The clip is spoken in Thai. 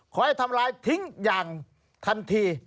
ให้ทำลายทิ้งอย่างทันที